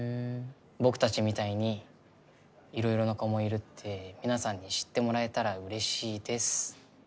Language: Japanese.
「僕たちみたいに色々な子もいるって皆さんに知ってもらえたらうれしいです」。